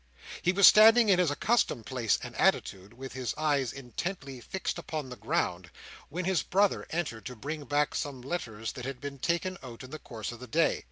He was standing in his accustomed place and attitude, with his eyes intently fixed upon the ground, when his brother entered to bring back some letters that had been taken out in the course of the day.